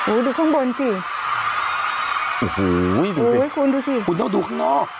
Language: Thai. อูยดูข้างบนสิขุนดูสิคุณเนอะดูข้างนอก